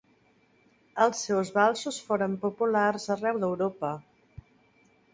Els seus valsos foren populars arreu d'Europa.